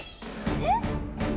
えっ？